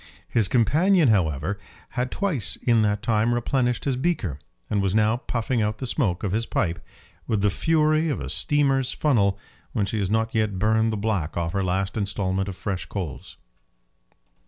His companion, however, had twice in that time replenished his beaker, and was now puffing out the smoke of his pipe with the fury of a steamer's funnel when she has not yet burned the black off her last instalment of fresh coals.